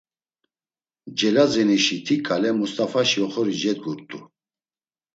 Celazenişi ti ǩale Must̆afaşi oxori cegdurt̆u.